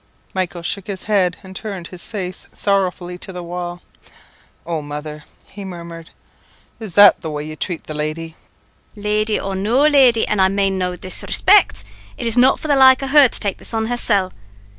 Michael shook his head, and turned his face sorrowfully to the wall. "Oh, mother," he murmured, "is that the way you treat the lady?" "Lady, or no lady, and I mane no disrispict; it is not for the like o' her to take this on hersel'.